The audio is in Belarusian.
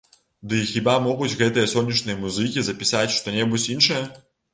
Ды і хіба могуць гэтыя сонечныя музыкі запісаць што-небудзь іншае?